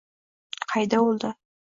Qayda oʻldi?